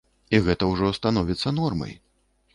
І гэта ўжо становіцца нормай.